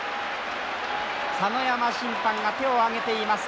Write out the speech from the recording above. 佐ノ山審判が手を挙げています。